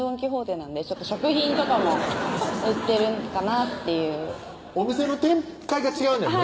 なんで食品とかも売ってるかなっていうお店の展開が違うねんもんね